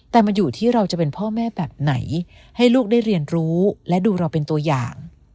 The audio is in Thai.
แต่มันอยู่ที่เราจะเป็นพ่อแม่แบบไหนให้ลูกได้เรียนรู้และดูเราเป็นตัวอย่าง